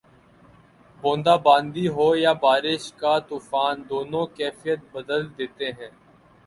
بوندا باندی ہو یا بارش کا طوفان، دونوں کیفیت بدل دیتے ہیں۔